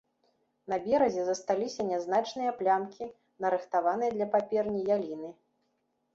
На беразе засталіся нязначныя плямкі нарыхтаванай для паперні яліны.